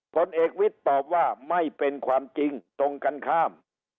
ผลเอกวิทย์ตอบว่าไม่เป็นความจริงตรงกันข้าม